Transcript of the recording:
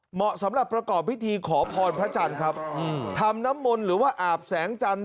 เหมาะสำหรับประกอบพิธีขอพรพระจันทร์ครับทำน้ำมนต์หรือว่าอาบแสงจันทร์